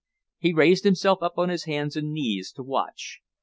He raised himself on his hands and knees to watch.